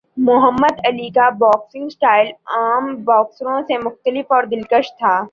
محمد Ali کا boxing style عام باکسروں سے مختلف اور دلکش تھا۔